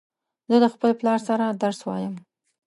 زه د خپل پلار سره درس وایم